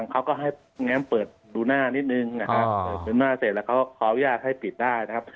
เขาก็ให้แง้มเปิดดูหน้านิดนึงนะครับเปิดหน้าเสร็จแล้วเขาขออนุญาตให้ปิดได้นะครับ